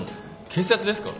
警察ですか？